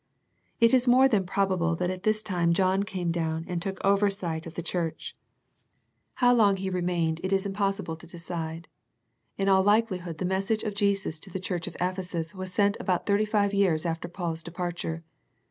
It is more than probable that at this time John came down and took oversight of the The Ephesus Letter 35 church. How long he remained it is impos sible to decide. In all likelihood the message of Jesus to the church of Ephesus was sent about thirty five years after Paul's departure.